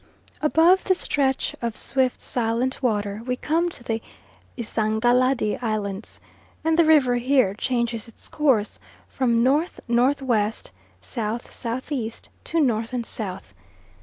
Above the stretch of swift silent water we come to the Isangaladi Islands, and the river here changes its course from N.N.W., S.S.E. to north and south.